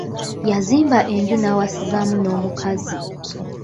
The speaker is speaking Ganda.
Yazimba enju n'awasizaamu n'omukazi.